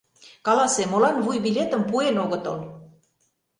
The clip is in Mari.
Каласе: молан вуйбилетым пуэн огытыл?